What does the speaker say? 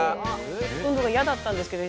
運動が嫌だったんですけど。